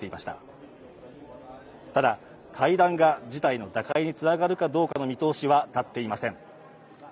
ただ、会談が事態の打開につながるかどうかの見通しは立っていません。